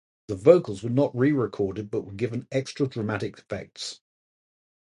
The vocals were not re-recorded, but were given extra dramatic effects.